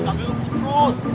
tapi ngebut terus